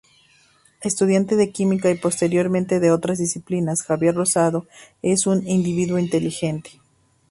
Estudiante de Química, y posteriormente de otras disciplinas, Javier Rosado es un individuo inteligente.